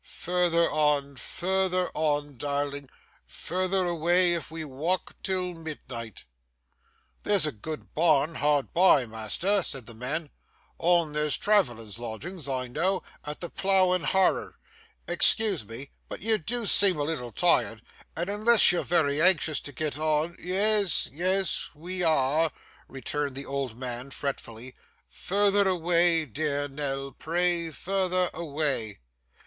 'Further on, further on, darling, further away if we walk till midnight.' 'There's a good barn hard by, master,' said the man, 'or there's travellers' lodging, I know, at the Plow an' Harrer. Excuse me, but you do seem a little tired, and unless you're very anxious to get on ' 'Yes, yes, we are,' returned the old man fretfully. 'Further away, dear Nell, pray further away.